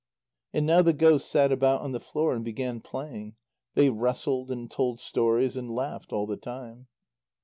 And now the ghosts sat about on the floor and began playing; they wrestled, and told stories, and laughed all the time.